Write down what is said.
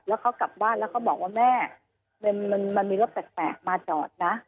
แล้วเขากลับบ้านแล้วเขาบอกว่าแม่มันมีรถแปลกมาจอดนะ